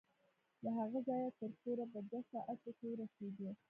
له هغه ځايه تر کوره په دوو ساعتو کښې ورسېدو.